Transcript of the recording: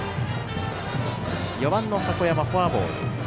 ４番の箱山、フォアボール。